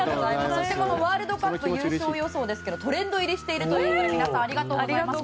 そして「＃ワールドカップ優勝予想」ですがトレンド入りしているということで皆さんありがとうございます。